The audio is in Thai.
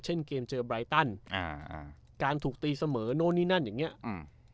เช่นเกมเจอไบรตันอ่าอ่าการถูกตีเสมอโน้นนี่นั่นอย่างเงี้อืม